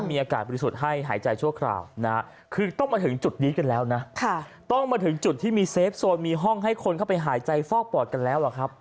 มีอากาศบริสุทธิ์ให้หายใจชั่วคราวนะคือต้องมาถึงจุดนี้กันแล้วนะต้องมาถึงจุดที่มีเซฟโซนมีห้องให้คนเข้าไปหายใจฟอกปอดกันแล้วอะครับ